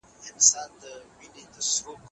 ټولنپوهنه د روغتیايي سیستمونو مطالعه هم کوي.